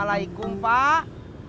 gh ngga diin from saik